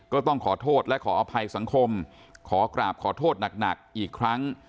ก็ต้องขอโทษและขออภัยสังคมขอกราบขอโทษหนักอีกครั้ง